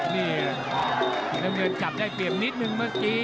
นี่น้ำเงินจับได้เปรียบนิดนึงเมื่อกี้